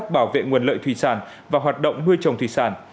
bảo vệ nguồn lợi thủy sản và hoạt động nuôi trồng thủy sản